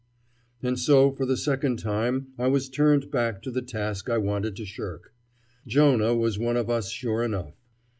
And so for the second time I was turned back to the task I wanted to shirk. Jonah was one of us sure enough.